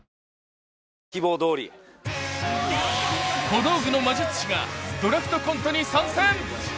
［小道具の魔術師がドラフトコントに参戦］